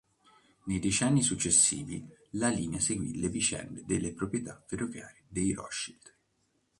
Nei decenni successivi, la linea seguì le vicende delle proprietà ferroviarie dei Rothschild.